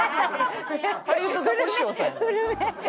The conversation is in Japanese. ハリウッドザコシショウさんやで。